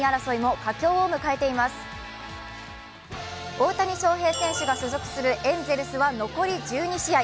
大谷翔平選手が所属するエンゼルスは残り１２試合。